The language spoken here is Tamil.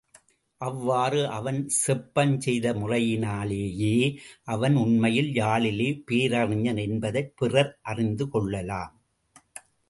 அவ்வாறு அவன் செப்பஞ் செய்த முறையினாலேயே அவன் உண்மையில் யாழிலே பேரறிஞன் என்பதைப் பிறர் அறிந்து கொள்ளலாம்.